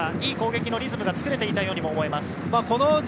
いい攻撃のリズムが作れていたようにも思います。